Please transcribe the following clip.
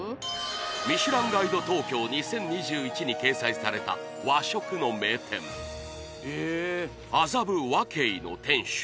ミシュランガイド東京２０２１に掲載された和食の名店麻布和敬の店主